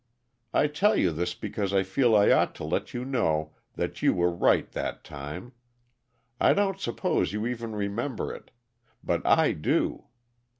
I tell you this because I feel I ought to let you know that you were right that time; I don't suppose you even remember it! But I do.